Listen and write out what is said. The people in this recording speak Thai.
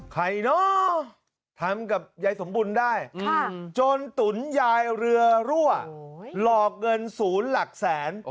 ใครเนอะทำกับยายสมบูรณ์ได้จนตุ๋นยายเรือรั่วหลอกเงินศูนย์หลักแสน